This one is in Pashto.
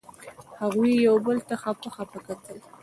هغوی یو بل ته خپه خپه کتل.